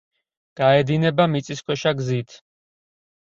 გაედინება მიწისქვეშა გზით.